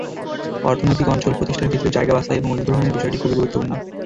অর্থনৈতিক অঞ্চল প্রতিষ্ঠার ক্ষেত্রে জায়গা বাছাই এবং অধিগ্রহণের বিষয়টি খুবই গুরুত্বপূর্ণ।